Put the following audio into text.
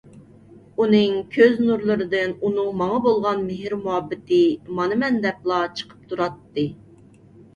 ئۇنىڭ كۆز نۇرلىرىدىن ئۇنىڭ ماڭا بولغان مېھىر-مۇھەببىتى مانا مەن دەپلا چىقىپ تۇراتتى.